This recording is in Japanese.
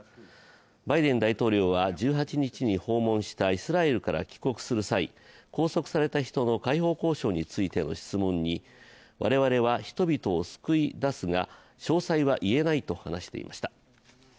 バイデン大統領は１８日に訪問したイスラエルから帰国する際、拘束された人の解放交渉についての質問に、我々は人々を救い出すが詳細は言えないと話していました。